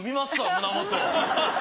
胸元。